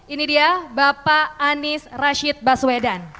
ini dia bapak anies rashid baswedan